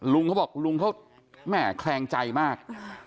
ลุงเขาบอกลุงเขาแม่แคลงใจมาก